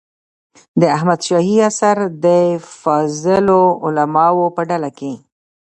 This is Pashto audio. د احمد شاهي عصر د فاضلو علماوو په ډله کې.